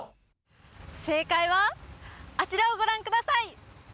正解はあちらをご覧ください！